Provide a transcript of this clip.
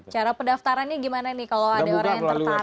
cara pendaftarannya gimana nih kalau ada orang yang tertarik